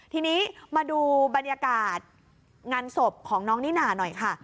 ทีนี้มาดูบรรยากาศงานศพของน้องนิน่าหน่อยค่ะ